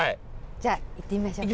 じゃあ行ってみましょうか。